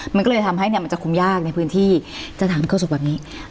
มันก็เลยทำให้มันจะคุ้มยากในพื้นที่จะถามเคราะห์ส่งแบบนี้